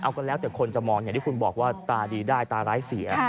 เอาก็แล้วแต่คนจะมองอย่างที่คุณบอกว่าตาดีได้ตาร้ายเสีย